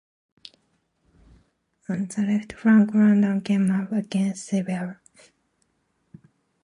On the left flank Landrin came up against severe resistance at Wormhoute.